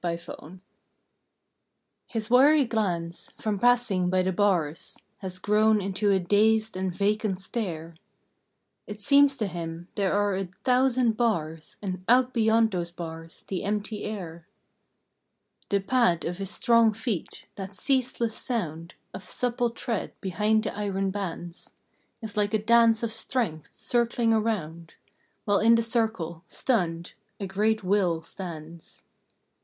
THE PANTHER His weary glance, from passing by the bars, Has grown into a dazed and vacant stare; It seems to him there are a thousand bars And out beyond those bars the empty air. The pad of his strong feet, that ceaseless sound Of supple tread behind the iron bands, Is like a dance of strength circling around, While in the circle, stunned, a great will stands.